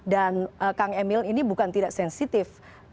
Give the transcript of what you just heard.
dan kang emil ini bukan tidak sensitif